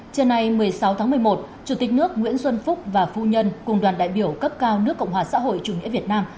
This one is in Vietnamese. trưa nay một mươi sáu tháng một mươi một chủ tịch nước nguyễn xuân phúc và phu nhân cùng đoàn đại biểu cấp cao nước cộng hòa xã hội chủ nghĩa việt nam